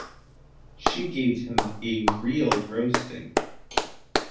She gave him a real roasting.